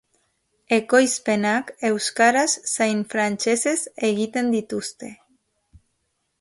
Ekoizpenak euskaraz zein frantsesez egiten dituzte.